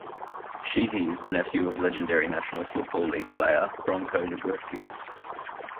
Sheehy is the nephew of legendary National Football League player Bronko Nagurski.